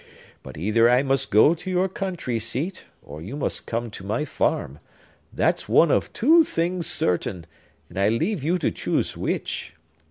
But either I must go to your country seat, or you must come to my farm,—that's one of two things certain; and I leave you to choose which!"